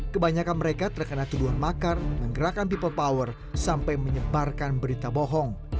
kebanyakan mereka terkena tuduhan makar menggerakkan people power sampai menyebarkan berita bohong